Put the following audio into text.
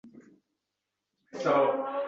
Haqiqatni aytay men!